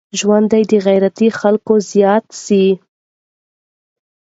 ژوند دي د غيرتي خلکو زيات سي.